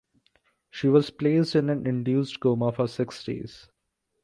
She was placed in an induced coma for six days.